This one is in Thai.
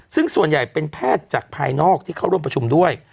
ซึ่งส่วนใหญ่เป็นแพทย์จากภายนอกที่เข้าร่วมประชุมด้วย